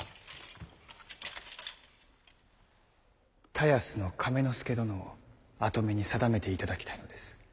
田安の亀之助殿を跡目に定めていただきたいのです。